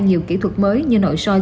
nhiều kỹ thuật mới như nội soi